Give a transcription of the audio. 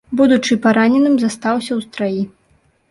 Будучы параненым застаўся ў страі.